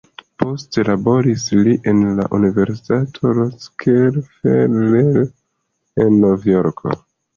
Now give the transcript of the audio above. Poste laboris li en la Universitato Rockefeller en Novjorko.